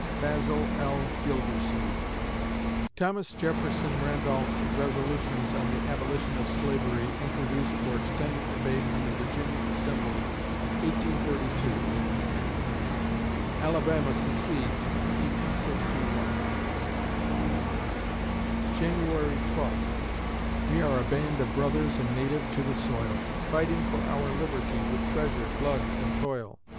BASIL L. GILDERSLEEVE _Thomas Jefferson Randolph's resolutions on the abolition of slavery introduced for extended debate in the Virginia Assembly, 1832_ Alabama secedes, 1861 January Twelfth We are a band of brothers, and native to the soil, Fighting for our liberty, with treasure, blood, and toil.